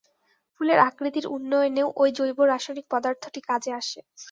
ফুলের আকৃতির উন্নয়নেও ওই জৈব রাসায়নিক পদার্থটি কাজে আসে।